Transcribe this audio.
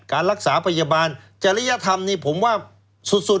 การรักษาพยาบาลจริยธรรมนี่ผมว่าสุด